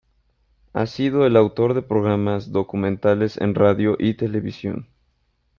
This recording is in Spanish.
Ha sido el autor de programas documentales en radio y televisión.